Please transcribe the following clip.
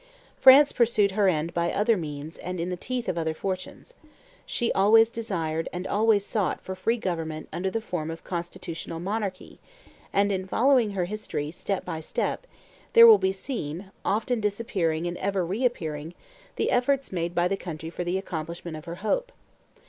France pursued her end by other means and in the teeth of other fortunes. She always desired and always sought for free government under the form of constitutional monarchy; and in following her history, step by step, there will be seen, often disappearing and ever re appearing, the efforts made by the country for the accomplishment of her hope.